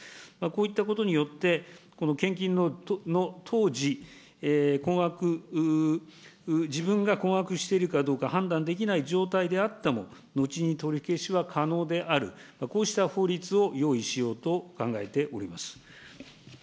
こういったことによって、この献金の当時、困惑、自分が困惑しているかどうか判断できない状態であっても、後に取り消しは可能である、こうした法律を用意しようと考えております。